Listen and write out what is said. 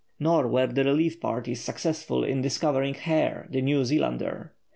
Nor were the relief parties successful in discovering Hare, the New Zealander.